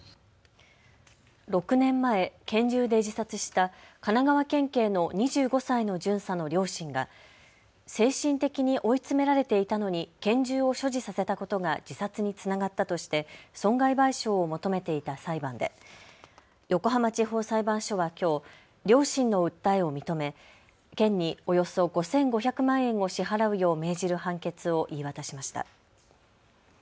６年前、拳銃で自殺した神奈川県警の２５歳の巡査の両親が精神的に追い詰められていたのに拳銃を所持させたことが自殺につながったとして損害賠償を求めていた裁判で横浜地方裁判所はきょう両親の訴えを認め県におよそ５５００万円を支払うよう命じる判決を言い渡しました。